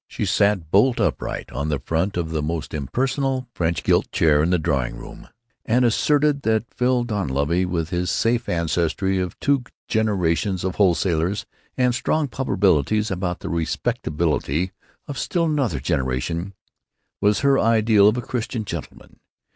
She sat bolt upright on the front of the most impersonal French gilt chair in the drawing room and asserted that Phil Dunleavy, with his safe ancestry of two generations of wholesalers and strong probabilities about the respectability of still another generation, was her ideal of a Christian gentleman.